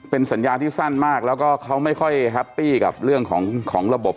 เป็นสัญญาที่สั้นมากแล้วก็เขาไม่ค่อยแฮปปี้กับเรื่องของระบบ